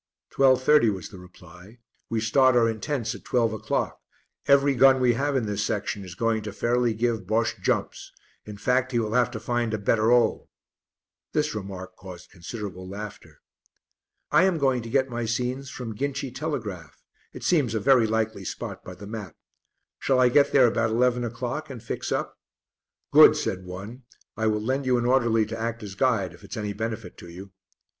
"Twelve thirty," was the reply. "We start our intense at twelve o'clock, every gun we have in this section is going to fairly give Bosche jumps; in fact he will have to find a 'better 'ole.'" This remark caused considerable laughter. "I am going to get my scenes from 'Ginchy Telegraph'; it seems a very likely spot by the map. Shall I get there about eleven o'clock and fix up?" "Good," said one. "I will lend you an orderly to act as guide if it's any benefit to you."